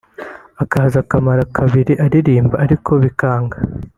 akaza akamara kabiri aririmba ariko bikanga